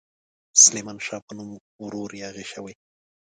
سلیمان شاه په نوم ورور یاغي شوی.